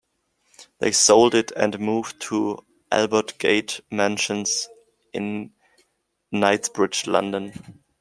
They sold it and moved to Albert Gate Mansions in Knightsbridge, London.